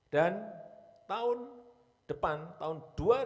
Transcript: dan tahun depan tahun dua ribu dua puluh tiga